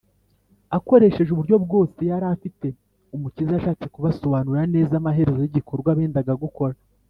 akoresheje uburyo bwose yari afite, umukiza yashatse kubasobanurira neza amaherezo y’igikorwa bendaga gukora